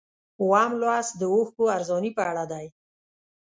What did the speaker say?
اووم لوست د اوښکو ارزاني په اړه دی.